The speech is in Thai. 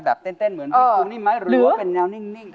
แบบเต้นเต้นเหมือนเพลงคุณนี่ไหมหรือเป็นแนวนิ่งนิ่ง